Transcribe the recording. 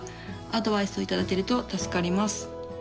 アドバイスを頂けると助かります。